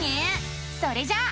それじゃあ。